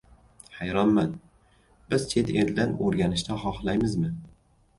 Hayronman: biz chet eldan o‘rganishni xohlaymizmi?